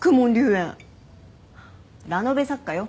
炎ラノベ作家よ